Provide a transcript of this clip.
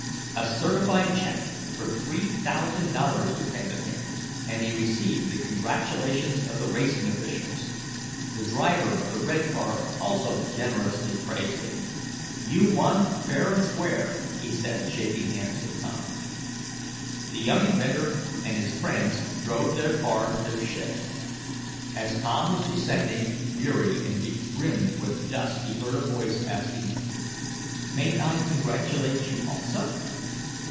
A certified check for three thousand dollars was handed him, and he received the congratulations of the racing officials. The driver of the red car also generously praised him. "You won fair and square," he said, shaking hands with Tom. The young inventor and his friends drove their car to their shed. As Tom was descending, weary and begrimed with dust he heard a voice asking: "Mayn't I congratulate you also?"